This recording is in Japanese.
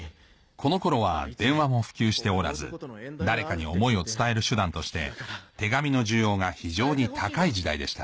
この頃は電話も普及しておらず誰かに思いを伝える手段として手紙の需要が非常に高い時代でした